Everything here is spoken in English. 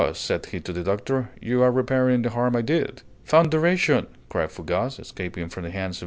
said he to the doctor: "you are repairing the harm I did." "Thunderation!" cried Fougas, escaping from the hands of M.